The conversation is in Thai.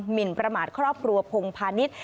มินประมาทครอบครัวพงพาณิชย์